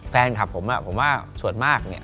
แฟนคับผมอะผมว่าส่วนมาก